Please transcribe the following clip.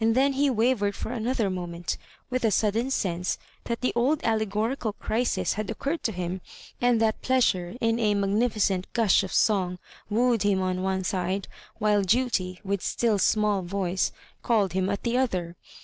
then he wavered for another moment, with a sudden sense that the old alle gorical crisis had occurred to him, and that Plea sure, in a magnificent gush of song, wooed him on one side, while Duty, with still small voice, called him at the other.